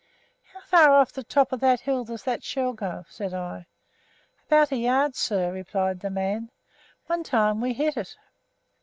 "How far off the top of that hill does that shell go?" said I. "About a yard, sir," replied the man; "one time we hit it."